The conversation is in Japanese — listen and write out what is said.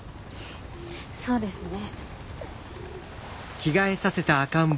そうですね。